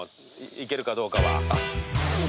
行けるかどうかは。